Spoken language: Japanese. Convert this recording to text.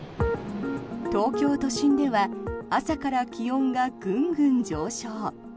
東京都心では朝から気温がグングン上昇。